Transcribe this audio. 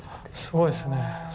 すごいですね。